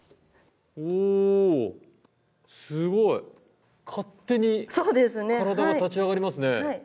おお、すごい！勝手に体が立ち上がりますね。